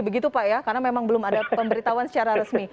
begitu pak ya karena memang belum ada pemberitahuan secara resmi